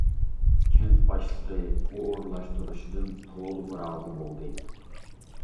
كەنت باشلىقى ئۇ ئورۇنلاشتۇرۇشىدىن تولىمۇ رازى بولدى.